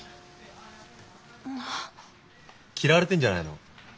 嫌われてんじゃないの？